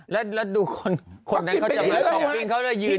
แล้วดูคนนั้นเขาจะมาของวิ่งเขาจะยืน